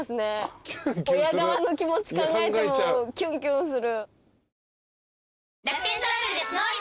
親側の気持ち考えてもキュンキュンする。